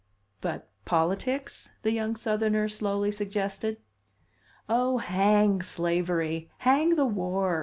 "But politics?" the young Southerner slowly suggested. "Oh, hang slavery! Hang the war!"